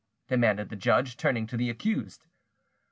demanded the judge, turning to the accused.